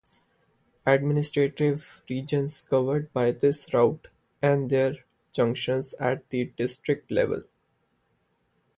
Administrative regions covered by this route and their junctions at the district level.